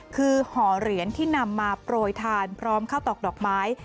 คือห่อเหรียญที่นำมาโปรยทานพร้อมข้าวตอกดอกไม้